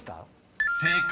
［正解。